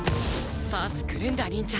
パスくれんだ凛ちゃん。